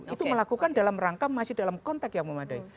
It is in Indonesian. itu melakukan dalam rangka masih dalam konteks yang memadai